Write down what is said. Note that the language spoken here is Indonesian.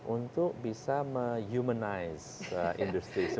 untuk bisa menjahat industri